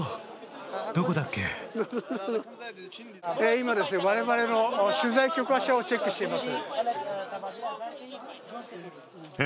今、我々の取材許可証をチェックしています。